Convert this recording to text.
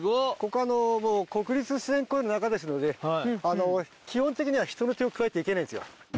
あのもう国立自然公園の中ですのではいあの基本的には人の手を加えてはいけないんですよ